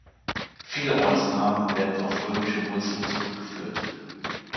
Viele Ortsnamen werden auf römische Wurzeln zurückgeführt.